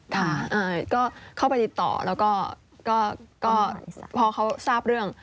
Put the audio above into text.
ค่ะก็เข้าไปติดต่อแล้วก็พอเขาทราบเรื่อง